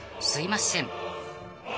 ［すいません］